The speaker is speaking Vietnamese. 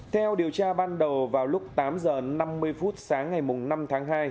theo điều tra ban đầu vào lúc tám h năm mươi phút sáng ngày năm tháng hai